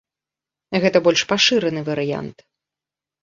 Гэта больш пашыраны варыянт.